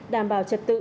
đảm bảo trật tự